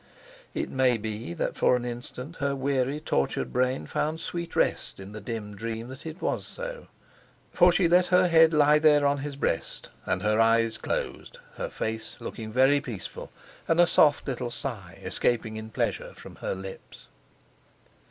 It may be that for an instant her weary, tortured brain found sweet rest in the dim dream that so it was, for she let her head lie there on his breast and her eyes closed, her face looking very peaceful, and a soft little sigh escaping in pleasure from her lips.